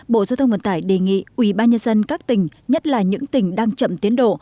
bộ giao thông vận tải đề nghị ủy ban nhân dân các tỉnh nhất là những tỉnh đang chậm tiến độ